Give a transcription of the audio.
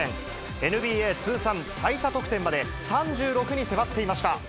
ＮＢＡ通算最多得点まで、３６に迫っていました。